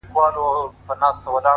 • د اجل قاصد نیژدې سو کور یې وران سو,